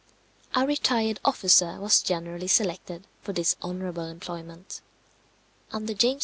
A retired officer was generally selected for this honourable employment. Under James II.